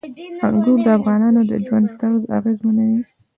انګور د افغانانو د ژوند طرز اغېزمنوي.